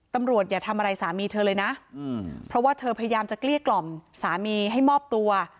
อย่าทำอะไรสามีเธอเลยนะเพราะว่าเธอพยายามจะเกลี้ยกล่อมสามีให้มอบตัว